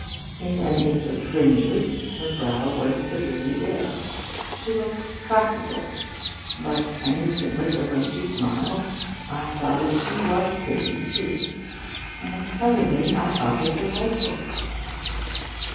In an age of fringes, her brow was severely bare. She looked 'practical.' But an instant later, when she smiled, I saw that she was pretty, too. And presently I thought her delightful.